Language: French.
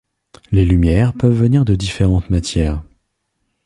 Les lumières peuvent venir de différentes matières.